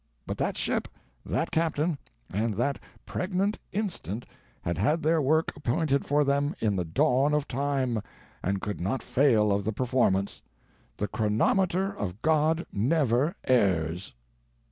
But that ship, that captain, and that pregnant instant had had their work appointed for them in the dawn of time and could not fail of the performance. The chronometer of God never errs!"